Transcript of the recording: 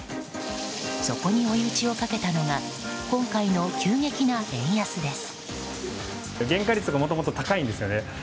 そこに追い打ちをかけたのが今回の急激な円安です。